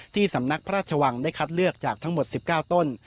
สำนักพระราชวังได้คัดเลือกจากทั้งหมด๑๙ต้น